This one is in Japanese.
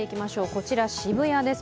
こちら、渋谷です。